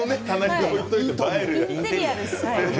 インテリアです。